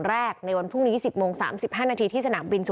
แรกในวันพรุ่งนี้สิบโมงสามสิบห้านาทีที่สนามบินสุ